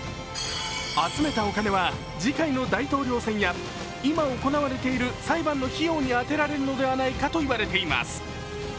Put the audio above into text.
集めたお金は次回の大統領選や今行われている裁判の費用に充てられるのではないかと言われています。